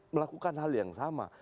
melakukan hal yang sama